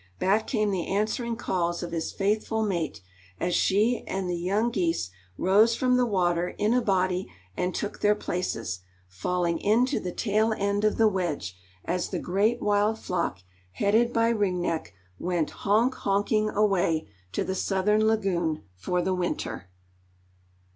Back came the answering calls of his faithful mate, as she and the young geese rose from the water in a body, and took their places, falling into the tail end of the wedge, as the great wild flock, headed by Ring Neck, went "honk, honking" away to the southern lagoon for the winter.